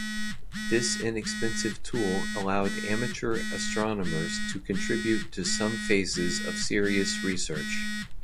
This inexpensive tool allowed amateur astronomers to contribute to some phases of serious research.